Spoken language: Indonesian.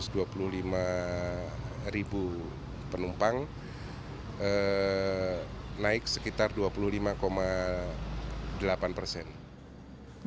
suatu penumpang naik sekitar dua puluh lima delapan persen